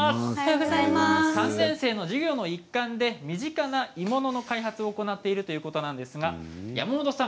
３年生の授業の一環で身近な鋳物の開発を行っているということなんですが山本さん